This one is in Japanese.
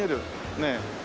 ねえ。